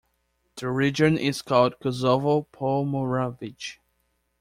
The region is called Kosovo Pomoravlje.